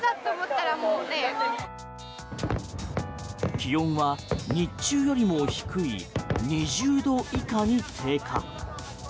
気温は日中よりも低い２０度以下に低下。